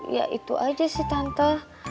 ya itu aja sih tante